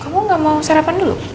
kamu gak mau sarapan dulu